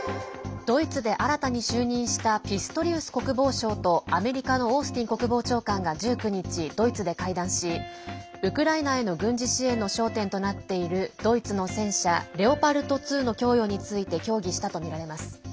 ドイツで新たに就任したピストリウス国防相とアメリカのオースティン国防長官が１９日、ドイツで会談しウクライナへの軍事支援の焦点となっているドイツの戦車レオパルト２の供与について協議したとみられます。